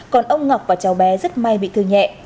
còn ông ngọc và cháu bé rất may bị thương nhẹ